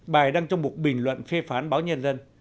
bài đăng trong một bình luận phê phán báo nhân dân